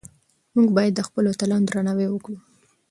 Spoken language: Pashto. موږ باید د خپلو اتلانو درناوی وکړو.